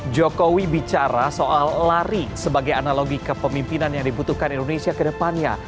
jokowi bicara soal lari sebagai analogi kepemimpinan yang dibutuhkan indonesia ke depannya